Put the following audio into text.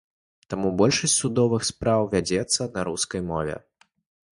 Таму большасць судовых спраў вядзецца на рускай мове.